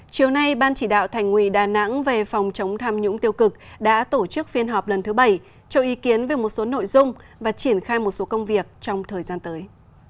chiều nay ban chỉ đạo thành quỳ đà nẵng về phòng chống tham nhũng tiêu cực đã tổ chức phiên họp lần thứ bảy cho ý kiến về một số nội dung và triển khai một số công việc trong thời gian tới